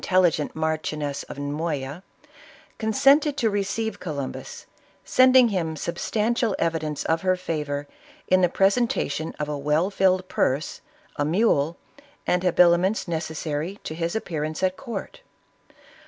telligent Marchioness of Moya, consented to receive Co lumbus, sending him substantial evidence of her favor in the presentation of a well filled purse, a mule, and habiliments necessary to his appearance at court.